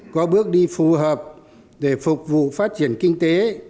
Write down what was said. có bước đi phù hợp để phục vụ phát triển kinh tế